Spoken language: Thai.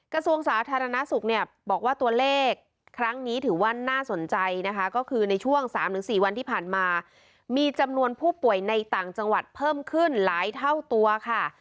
กระทรวงสาธารณสุขเนี่ยบอกว่าตัวเลขครั้งนี้ถือว่าน่าสนใจนะคะก็คือในช่วง๓๔วันที่ผ่านมามีจำนวนผู้ป่วยในต่างจังหวัดเพิ่มขึ้นหลายเท่าตัวค่ะ